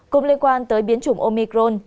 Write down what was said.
cùng liên quan tới biến chủng omicron